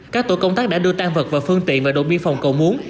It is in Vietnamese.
các tổ công tác đã đưa tan vật vào phương tiện và đội biên phòng cầu muốn